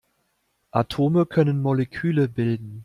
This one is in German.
Atome können Moleküle bilden.